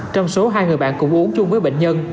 trong số hai người bạn cùng uống chung với bệnh nhân